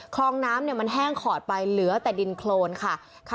คลองน้ำมันแห้งขอดไปเหลือแต่ดินโครนค่ะ